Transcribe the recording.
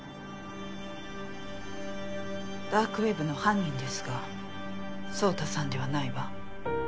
ダークウェブの犯人ですが宗太さんではないわ。